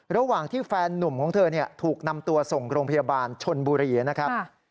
ระหว่างที่แฟนนุ่มของเธอถูกนำตัวส่งโรงพยาบาลชนบุรีนะครับ